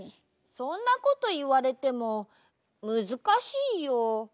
そんなこといわれてもむずかしいよ。